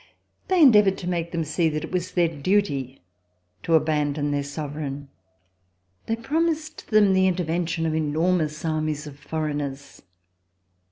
They endeavored to make them see that it was their duty to abandon their sovereign. They promised them the interven RESIDENCE IN HOLLAND tiun of enormous armies of foreigners.